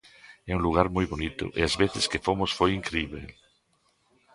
É un lugar moi bonito e as veces que fomos foi incríbel.